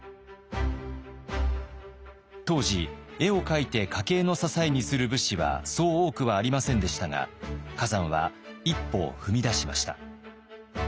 当時絵を描いて家計の支えにする武士はそう多くはありませんでしたが崋山は一歩を踏み出しました。